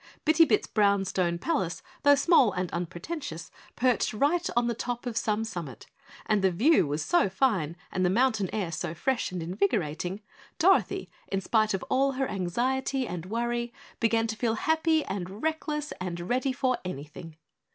Bitty Bit's brown stone palace, though small and unpretentious, perched, right on top of Some Summit, and the view was so fine and the mountain air so fresh and invigorating, Dorothy, in spite of all her anxiety and worry, began to feel happy and reckless and ready for anything.